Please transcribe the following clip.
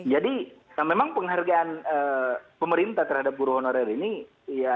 jadi memang penghargaan pemerintah terhadap guru honorer ini